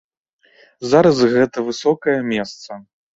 Зараз гэта высокае месца.